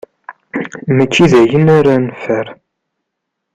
Mačči d ayen ara neffer.